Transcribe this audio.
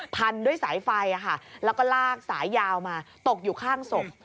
พันด้วยสายไฟแล้วก็ลากสายยาวมาตกอยู่ข้างศพ